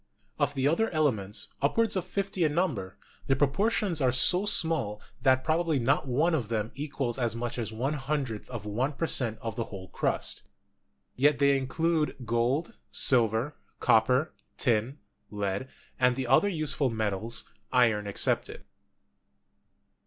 Of the other elements,, upward of fifty in number, the proportions are so small that probably not one of them equals as much as one hundredth of one per cent, of the whole crust. Yet they include gold, silver, copper, tin, lead and the other useful metals, iron excepted.